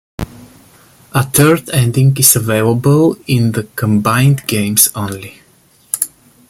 A third ending is available in the combined games only.